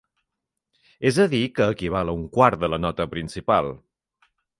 És a dir que equival a un quart de la nota principal.